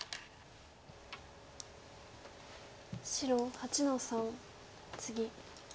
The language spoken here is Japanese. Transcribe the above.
白８の三ツギ。